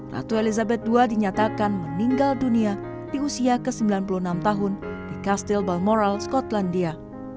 ratu elizabeth ii dinyatakan meninggal dunia di usia ke sembilan puluh enam tahun di castle balmoral skotlandia